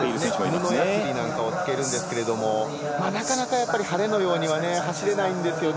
布やすりなんかをつけているんですけどなかなか晴れのようには走れないんですよね。